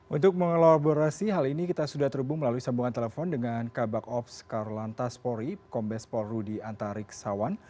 untuk mengelaborasi hal ini kita sudah terhubung melalui sambungan telepon dengan kabak ops karlantas polri kombes pol rudy antariksawan